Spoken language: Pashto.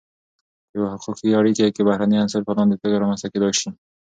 په یوه حقوقی اړیکی کی بهرنی عنصر په لاندی توګه رامنځته کیدای سی :